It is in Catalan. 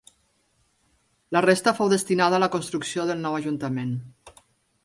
La resta fou destinada a la construcció del nou ajuntament.